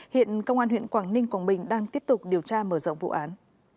hiện công an huyện quảng ninh quảng bình đang tiếp tục điều tra mở rộng vụ án